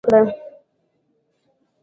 او له تېروتنې زدکړه وکړه.